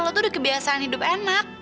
lo tuh udah kebiasaan hidup enak